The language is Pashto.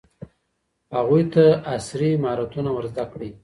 هغوی ته عصري مهارتونه ور زده کړئ.